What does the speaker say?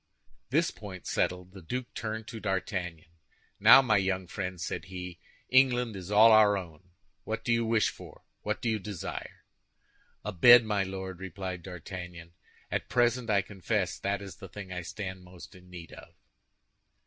This point, settled, the duke turned to D'Artagnan. "Now, my young friend," said he, "England is all our own. What do you wish for? What do you desire?" "A bed, my Lord," replied D'Artagnan. "At present, I confess, that is the thing I stand most in need of."